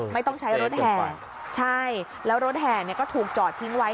ไม่ต้องใช้รถแห่ใช่แล้วรถแห่เนี่ยก็ถูกจอดทิ้งไว้